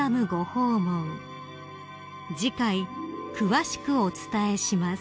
［次回詳しくお伝えします］